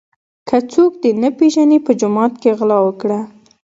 که څوک دي نه پیژني په جومات کي غلا وکړه.